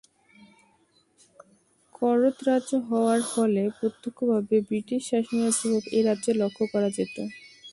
করদ রাজ্য হওয়ার ফলে প্রত্যক্ষভাবে ব্রিটিশ শাসনের প্রভাব এই রাজ্যে লক্ষ্য করা যেত।